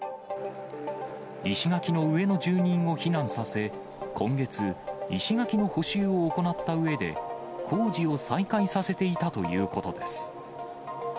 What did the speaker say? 石垣の上の住人を避難させ、今月、石垣の補修を行ったうえで、工事を再開させていたということです。